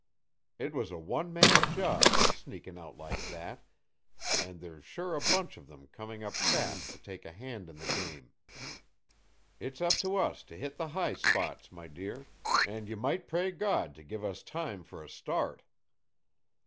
"It was a one man job, sneaking out like that, and there's sure a bunch of them coming up fast to take a hand in the game. It's up to us to hit the high spots, my dear an' you might pray God to give us time for a start."